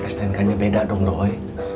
stnk nya beda dong doi